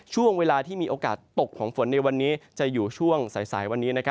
ช่วงเวลาที่มีโอกาสตกของฝนในวันนี้จะอยู่ช่วงสายวันนี้